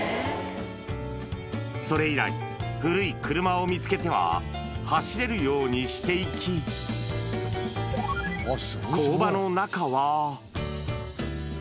それ以来、古い車を見つけては、走れるようにしていき、工場の中は。